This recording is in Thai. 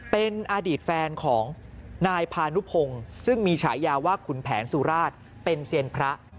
เป็นอดีตแฟนของนายพานุพงศ์ซึ่งมีฉายาว่าขุนแผนสุราชเป็นเซียนพระ